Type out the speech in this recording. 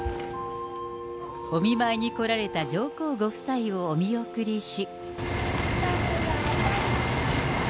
お見舞いに来られた上皇ご夫妻をお見送りし。